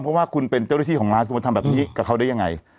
เพราะว่าคุณเป็นเจ้าหน้าที่ของร้านคุณมาทำแบบนี้กับเขาได้ยังไง